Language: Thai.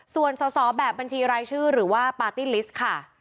ส่วนสอสอแบบบัญชีรายชื่อหรือว่าปาร์ตี้ลิสต์ค่ะ